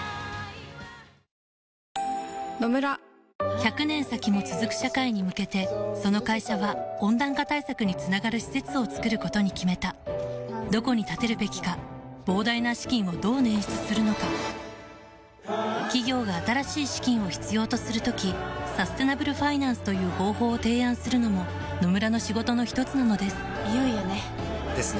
１００年先も続く社会に向けてその会社は温暖化対策につながる施設を作ることに決めたどこに建てるべきか膨大な資金をどう捻出するのか企業が新しい資金を必要とする時サステナブルファイナンスという方法を提案するのも野村の仕事のひとつなのですいよいよね。